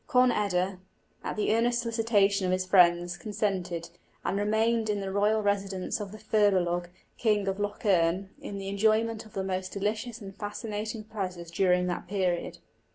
Conn eda, at the earnest solicitation of his friends, consented, and remained in the royal residence of the Firbolg, King of Lough Erne, in the enjoyment of the most delicious and fascinating pleasures during that period.